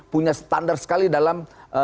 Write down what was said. punya standar sekali dalam